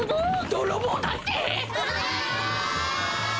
どろぼうだって！？